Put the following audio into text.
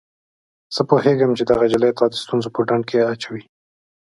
زه پوهیږم چي دغه نجلۍ تا د ستونزو په ډنډ کي اچولی.